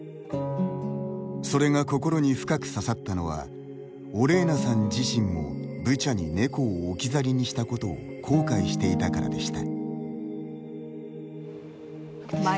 それが心に深く刺さったのはオレーナさん自身もブチャに猫を置き去りにしたことを後悔していたからでした。